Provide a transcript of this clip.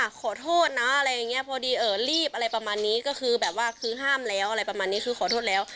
ขอโทษนะอะไรอย่างเงี้พอดีเออรีบอะไรประมาณนี้ก็คือแบบว่าคือห้ามแล้วอะไรประมาณนี้คือขอโทษแล้ว